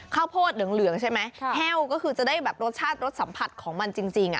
ข้าวโพดเหลืองใช่ไหมแห้วก็คือจะได้แบบรสชาติรสสัมผัสของมันจริง